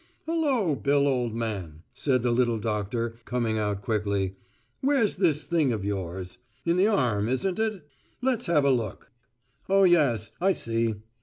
"Hullo, Bill, old man," said the little doctor, coming out quickly. "Where's this thing of yours? In the arm, isn't it? Let's have a look. Oh yes, I see.